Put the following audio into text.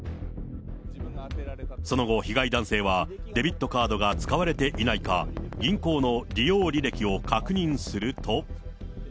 その後、被害男性はデビットカードが使われていないか、銀行の利用履歴を確認すると。